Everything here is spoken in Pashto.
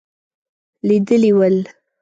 لیدلي ول.